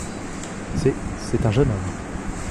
C’est… c’est un jeune homme…